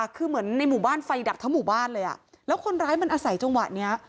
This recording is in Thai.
คือเหมือนในหมู่บ้านไฟดับทั้งหมู่บ้านเลยอ่ะแล้วคนร้ายมันอาศัยจังหวะเนี้ย